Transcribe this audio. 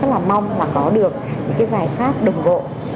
chúng tôi rất là mong là có được những cái giải pháp đồng bộ